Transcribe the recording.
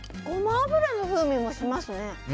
ゴマ油の風味もしますね。